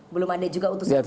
belum ada juga utusan